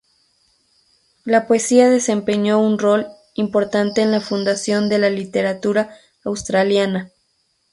La poesía desempeñó un rol importante en la fundación de la literatura australiana.